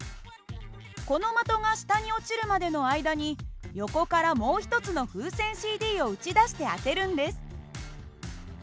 この的が下に落ちるまでの間に横からもう一つの風船ＣＤを撃ち出して当てるんです。